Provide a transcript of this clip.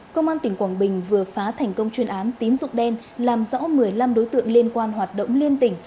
công an tỉnh quảng bình vừa phá thành công chuyên án tín dụng đen làm rõ một mươi năm đối tượng liên quan hoạt động liên tỉnh